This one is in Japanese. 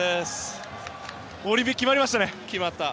オリンピック決まりましたね。